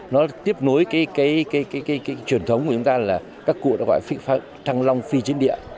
nó tiếp nối cái truyền thống của chúng ta là các cụ đã gọi thăng long phi chiến địa